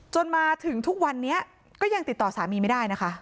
จนถึงทุกวันนี้ก็ยังติดต่อสามีไม่ได้นะคะ